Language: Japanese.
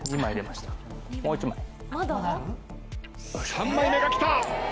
３枚目がきた。